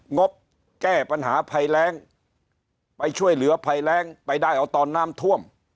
งบแก้ปัญหาภัยแรงไปช่วยเหลือภัยแรงไปได้เอาตอนน้ำท่วม